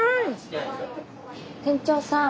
店長さん。